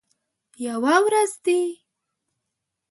یوه ورځ دي